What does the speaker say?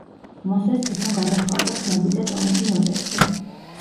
მოსეს თვითონ გადაჰყავდა ხმები და ტონები ნოტებზე.